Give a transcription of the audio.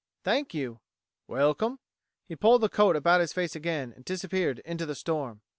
"Thank you." "Welcome." He pulled the coat about his face again and disappeared into the storm.